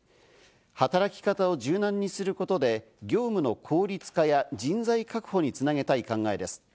働き方を柔軟にすることで業務の効率化や人材確保につなげたい考えです。